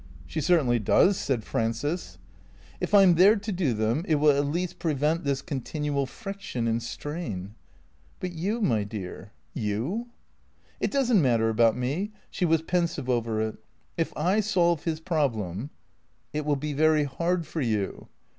" She certainly does," said Frances. " If I 'm there to do them, it will at least prevent this con tinual friction and strain," " But you, my dear — you ?"" It does n't matter about me." She was pensive over it. " If I solve his problem "" It will be very hard for you."